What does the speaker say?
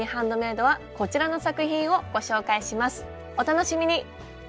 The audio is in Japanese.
お楽しみに！